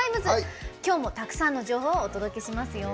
きょうもたくさんの情報をお届けしますよ。